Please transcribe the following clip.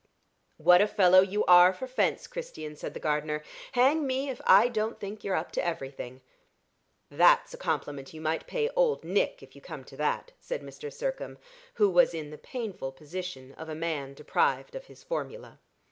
"What a fellow you are for fence, Christian," said the gardener. "Hang me, if I don't think you're up to everything." "That's a compliment you might pay Old Nick, if you come to that," said Mr. Sircome, who was in the painful position of a man deprived of his formula.